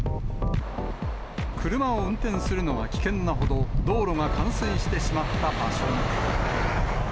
車を運転するのが危険なほど、道路が冠水してしまった場所も。